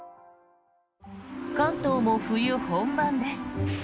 関東も冬本番です。